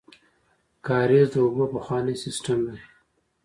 کاریز د اوبو پخوانی سیستم دی